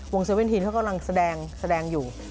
วงเซเวนทีนเขากำลังแสดงอยู่